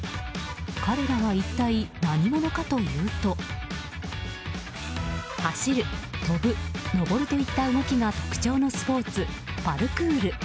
彼らは一体何者かというと走る、跳ぶ、登るといった動きが特徴のスポーツパルクール。